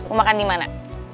aku makan dimana